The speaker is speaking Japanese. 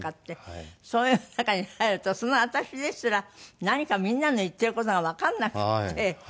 そういう中に入るとその私ですら何かみんなの言ってる事がわかんなくって。